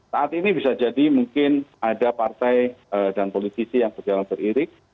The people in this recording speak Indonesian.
saat ini bisa jadi mungkin ada partai dan politisi yang berjalan teririk